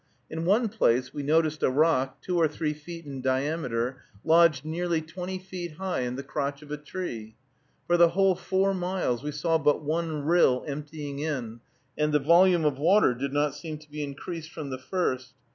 In one place we noticed a rock, two or three feet in diameter, lodged nearly twenty feet high in the crotch of a tree. For the whole four miles we saw but one rill emptying in, and the volume of water did not seem to be increased from the first.